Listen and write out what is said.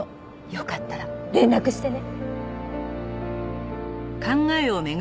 よかったら連絡してね！